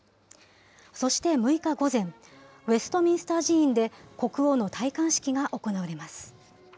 そして６日午前、ウェストミンスター寺院で、国王の戴冠式が行われます。